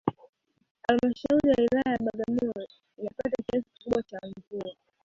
Halmashauri ya Wilaya ya Bagamyo inapata kiasi cha kikubwa cha mvua